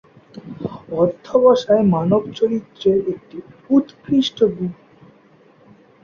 অধ্যবসায় মানব চরিত্রের একটি উৎকৃষ্ট গুণ।